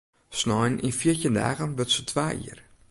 Snein yn fjirtjin dagen wurdt se twa jier.